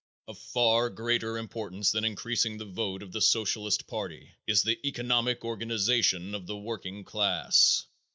Of far greater importance than increasing the vote of the Socialist party is the economic organization of the working class.